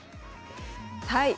はい。